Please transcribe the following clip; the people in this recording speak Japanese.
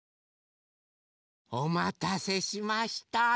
おまたせしました。